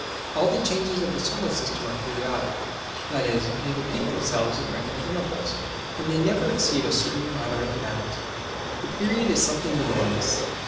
All the changes of the solar system are periodic, i.e. they repeat themselves at regular intervals, and they never exceed a certain moderate amount. The period is something enormous.